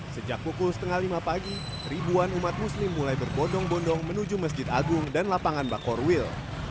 sejak pukul setengah lima pagi ribuan umat muslim mulai berbodong bondong menuju masjid agung dan lapangan bakorwil